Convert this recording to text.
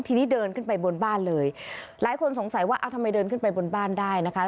ทีนี้เดินขึ้นไปบนบ้านเลยหลายคนสงสัยว่าเอาทำไมเดินขึ้นไปบนบ้านได้นะคะ